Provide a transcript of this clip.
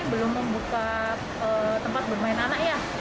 belum membuka tempat bermain anak ya